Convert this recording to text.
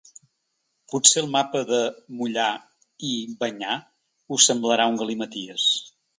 Potser el mapa de ‘mullar’ i ‘banyar’ us semblarà un galimaties.